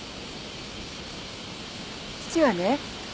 父はね